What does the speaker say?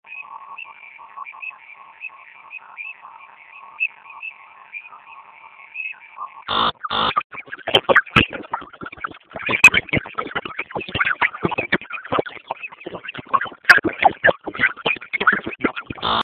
Brasildarrak eta argentinarrak txapelketako hurrengo fasean daude jada.